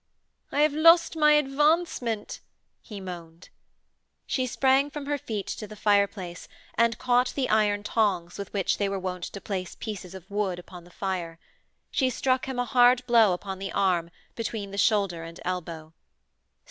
'I have lost my advancement,' he moaned. She sprang from her feet to the fireplace and caught the iron tongs with which they were wont to place pieces of wood upon the fire. She struck him a hard blow upon the arm between the shoulder and elbow.